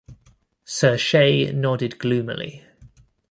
Sir Shay nodded gloomily.